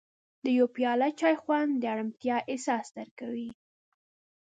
د یو پیاله چای خوند د ارامتیا احساس درکوي.